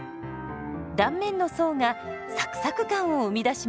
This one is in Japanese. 断面の層がサクサク感を生み出します。